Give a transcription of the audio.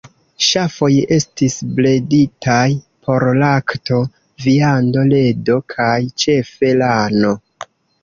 Ŝafoj estis breditaj por lakto, viando, ledo kaj ĉefe lano.